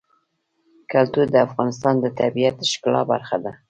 کلتور د افغانستان د طبیعت د ښکلا برخه ده.